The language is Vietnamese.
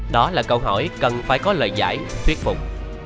đó là câu hỏi cần phải có lời giải thuyết phục